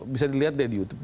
bisa dilihat di youtube